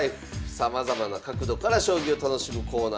さまざまな角度から将棋を楽しむコーナーです。